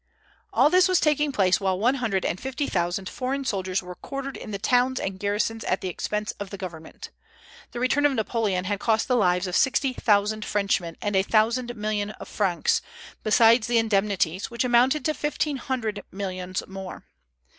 All this was taking place while one hundred and fifty thousand foreign soldiers were quartered in the towns and garrisons at the expense of the government. The return of Napoleon had cost the lives of sixty thousand Frenchmen and a thousand millions of francs, besides the indemnities, which amounted to fifteen hundred millions more.